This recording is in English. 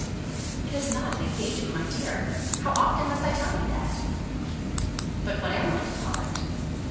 "It is not an engagement, my dear! How often must I tell you that?" "But what am I to call it?"